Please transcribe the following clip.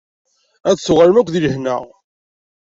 Ad d-tuɣalem akk di lehna.